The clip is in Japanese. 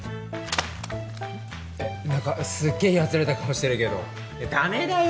えっ何かすっげえやつれた顔してるけどダメだよ